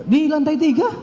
di lantai tiga